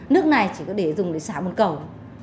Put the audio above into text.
nước này chỉ có để dùng để xả một cầu